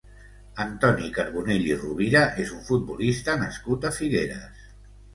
Antoni Carbonell i Rovira és un futbolista nascut a Figueres.